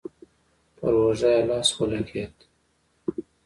پر اوږه يې لاس ولګېد.